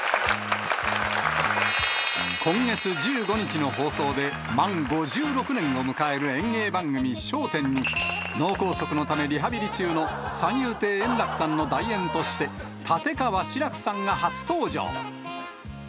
今月１５日の放送で、満５６年を迎える演芸番組、笑点に、脳梗塞のためリハビリ中の三遊亭円楽さんの代演として、立川志らくさんが初登場。